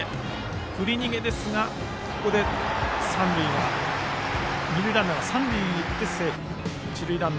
振り逃げですがここで二塁ランナーが三塁に行ってセーフ。